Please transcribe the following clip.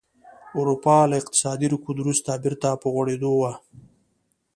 اروپا له اقتصادي رکود وروسته بېرته په غوړېدو وه